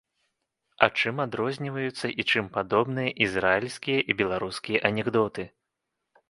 А чым адрозніваюцца і чым падобныя ізраільскія і беларускія анекдоты?